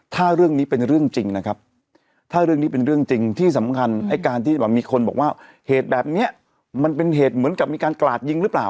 ถ้าเรื่องนี้เป็นเรื่องจริงนะครับถ้าเรื่องนี้เป็นเรื่องจริงที่สำคัญไอ้การที่แบบมีคนบอกว่าเหตุแบบนี้มันเป็นเหตุเหมือนกับมีการกราดยิงหรือเปล่า